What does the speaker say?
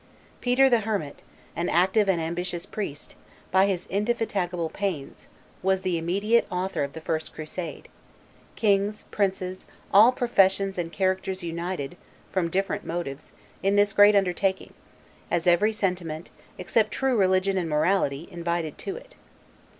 Peter the Hermit, an active and ambitious priest, by his indefatigable pains, was the immediate author of the first crusade; kings, princes, all professions and characters united, from different motives, in this great undertaking, as every sentiment, except true religion and morality, invited to it.